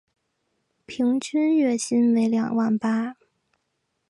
平均月薪为两万八